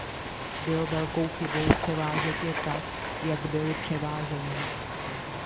Bylo velkou chybou převážet je tak, jak byli převáženi.